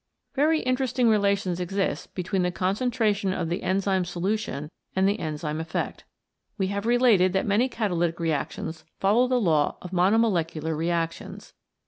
Very interesting relations exist between the con centration of the enzyme solution and the enzyme effect. We have related that many catalytic reactions follow the law of monomolecular reac tions.